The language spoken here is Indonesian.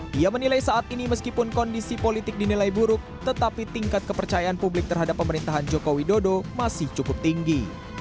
dia menilai saat ini meskipun kondisi politik dinilai buruk tetapi tingkat kepercayaan publik terhadap pemerintahan joko widodo masih cukup tinggi